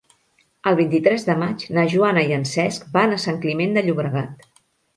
El vint-i-tres de maig na Joana i en Cesc van a Sant Climent de Llobregat.